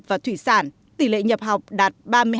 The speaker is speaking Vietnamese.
tỷ lệ nhập học và thủy sản tỷ lệ nhập học đạt ba mươi hai sáu